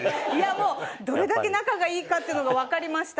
もうどれだけ仲がいいかっていうのが分かりました。